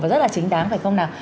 và rất là chính đáng phải không nào